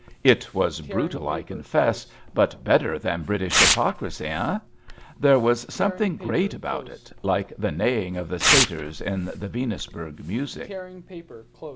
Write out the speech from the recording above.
It was brutal, I confess ; but better than British hypocrisy, eh ? There was something great about it, like the neighing of the satyrs in the Venus berg music.